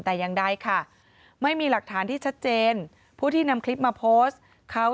แต่อย่างใดค่ะไม่มีหลักฐานที่ชัดเจนผู้ที่นำคลิปมาโพสต์เขา